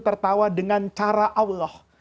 tertawa dengan cara allah